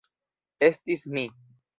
Estis mi.